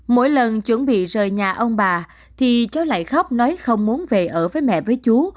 mỗi lần chuẩn bị rời nhà ông bà thì cháu lại khóc nói không muốn về ở với mẹ với chú